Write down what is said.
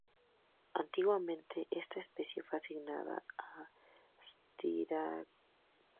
Antiguamente esta especie fue asignada a "Styracosaurus".